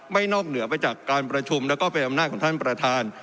นอกเหนือไปจากการประชุมแล้วก็เป็นอำนาจของท่านประธาน